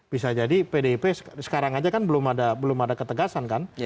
bisa jadi pdip sekarang aja kan belum ada ketegasan kan